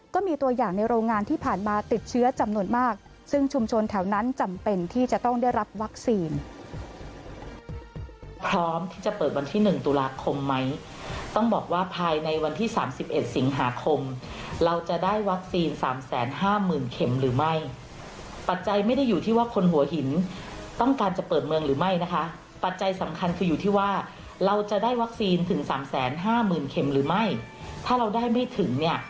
ก็มีตัวอย่างในโรงงานที่ผ่านมาติดเชื้อจำนวนมากซึ่งชุมชนแถวนั้นจำเป็นที่จะต้องได้รับวัคซีน